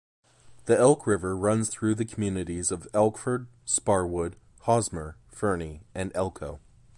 The Elk River runs through the communities of Elkford, Sparwood, Hosmer, Fernie, and Elko.